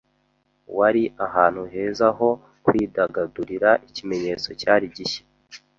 Wari ahantu heza ho kwidagadurira. Ikimenyetso cyari gishya;